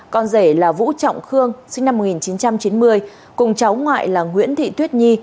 con rể là vũ trọng khương sinh năm một nghìn chín trăm chín mươi cùng cháu ngoại là nguyễn thị tuyết nhi